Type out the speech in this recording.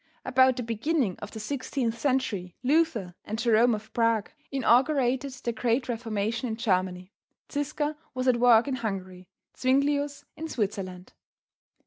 About the beginning of the sixteenth century Luther and Jerome, of Prague, inaugurated the great Reformation in Germany, Ziska was at work in Hungary, Zwinglius in Switzerland.